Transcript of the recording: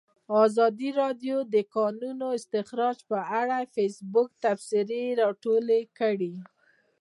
ازادي راډیو د د کانونو استخراج په اړه د فیسبوک تبصرې راټولې کړي.